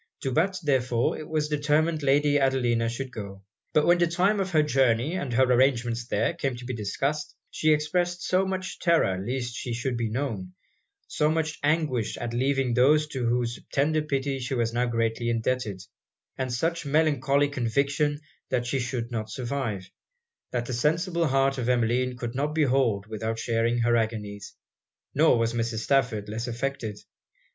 To Bath, therefore, it was determined Lady Adelina should go. But when the time of her journey, and her arrangements there, came to be discussed, she expressed so much terror least she should be known, so much anguish at leaving those to whose tender pity she was so greatly indebted, and such melancholy conviction that she should not survive, that the sensible heart of Emmeline could not behold without sharing her agonies; nor was Mrs. Stafford less affected.